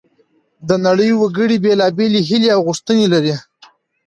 د نړۍ وګړي بیلابیلې هیلې او غوښتنې لري